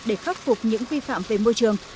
để khắc phục những vi phạm về môi trường